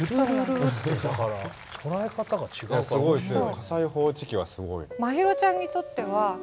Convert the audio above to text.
すごいですよ。